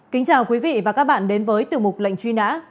kính chào quý vị và các bạn đến với tiểu mục lệnh truy nã